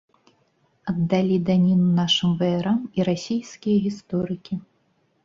Аддалі даніну нашым ваярам і расійскія гісторыкі.